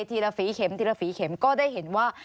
ทีละฝีเข็มก็ได้เห็นว่า